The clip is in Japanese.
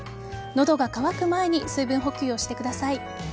喉が渇く前に水分補給をしてください。